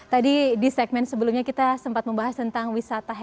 tadi di segmen sebelumnya kita sempat membahas tentang wisata heritage gitu ya